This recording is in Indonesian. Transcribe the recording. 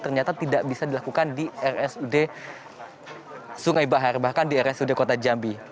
ternyata tidak bisa dilakukan di rsud sungai bahar bahkan di rsud kota jambi